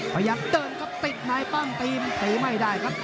พยายามเติมครับติดไหนปั้งตีไม่ได้ครับ